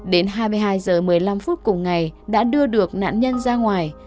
đến hai mươi hai h một mươi năm phút cùng ngày đã đưa được nạn nhân ra ngoài